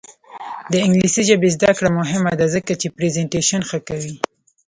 د انګلیسي ژبې زده کړه مهمه ده ځکه چې پریزنټیشن ښه کوي.